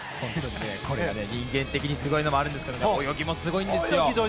人間的にすごいのもありますが泳ぎもすごいです。